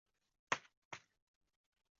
我女友走路上限是两小时